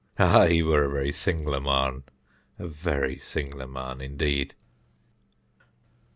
Ah, he was a very sing'lar marn a very sing'lar marn indeed."